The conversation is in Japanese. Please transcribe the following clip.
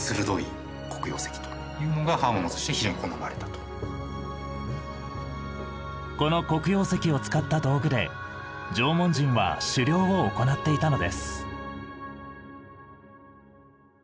当時この黒曜石を使った道具で縄文人は狩猟を行っていたのです。